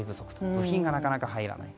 部品がなかなか入らない。